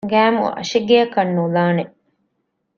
ގައިމު އަށިގެއަކަށް ނުލާނެ